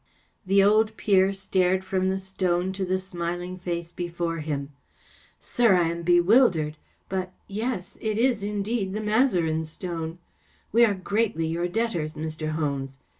The old peer stared from the stone to the smiling face before him. " Sir, I am bewildered. But‚ÄĒyes‚ÄĒit is indeed the Mazarin stone. We are greatly your debtors, Mr. Holmes.